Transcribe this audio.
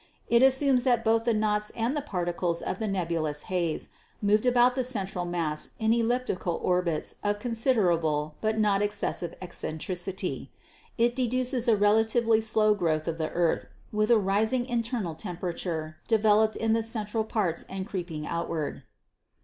It as sumes that both the knots and the particles of the nebulous haze moved about the central mass in elliptical orbits of considerable but not excessive eccentricity. ... It de duces a relatively slow growth of the earth, with a rising internal temperature developed in the central parts and creeping outward."